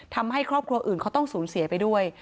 ทำให้ครอบครัวอื่นเขาต้องสูญเสียไปด้วย